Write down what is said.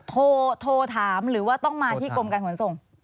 โทรถามหรือว่าต้องมาที่กรมการขนส่ง